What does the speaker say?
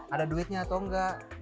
ada duitnya atau nggak